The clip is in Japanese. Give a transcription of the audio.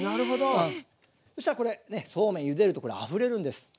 そしたらこれそうめんゆでるとあふれるんです。